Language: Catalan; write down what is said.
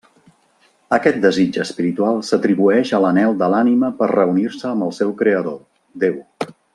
Aquest desig espiritual s'atribueix a l'anhel de l'ànima per reunir-se amb el seu creador, déu.